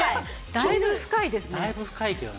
だいぶ深いですけどね。